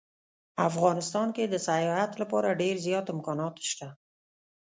افغانستان کې د سیاحت لپاره ډیر زیات امکانات شته